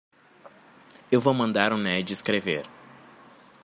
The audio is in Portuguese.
Eu vou mandar o Ned escrever.